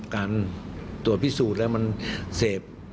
การตรวจพิสูจน์แล้วมันเสพ